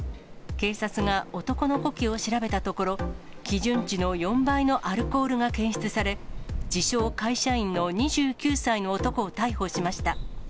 警察が男の呼気を調べたところ、基準値の４倍のアルコールが検出され、自称、会社員の２９歳の男を逮捕しました。